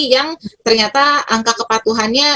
yang ternyata angka kepatuhannya